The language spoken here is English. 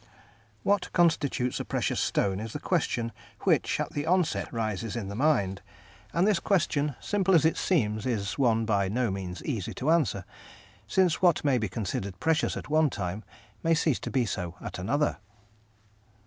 What constitutes a precious stone is the question which, at the onset, rises in the mind, and this question, simple as it seems, is one by no means easy to answer, since what may be considered precious at one time, may cease to be so at another.